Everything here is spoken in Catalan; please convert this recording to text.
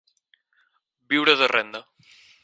Viure de renda.